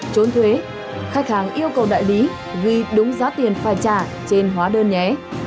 trốn thuế khách hàng yêu cầu đại lý vì đúng giá tiền phải trả trên hóa đơn nhé